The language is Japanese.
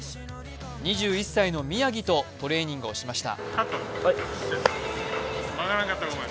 ２１歳の宮城とトレーニングをしました。